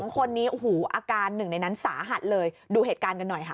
๒คนนี้โอ้โหอาการหนึ่งในนั้นสาหัสเลยดูเหตุการณ์กันหน่อยค่ะ